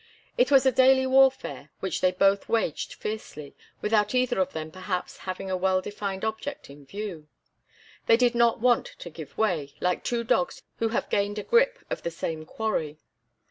It was a daily warfare which they both waged fiercely, without either of them perhaps having a well defined object in view. They did not want to give way, like two dogs who have gained a grip of the same quarry.